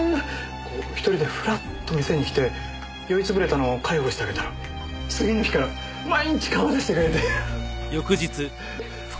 こう１人でフラッと店に来て酔い潰れたのを介抱してあげたら次の日から毎日顔を出してくれて！